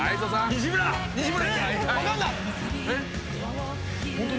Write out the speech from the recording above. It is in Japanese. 西村。